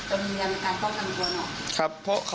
อืมตรงนี้มันกลายเปล่าทำกวนอ่ะ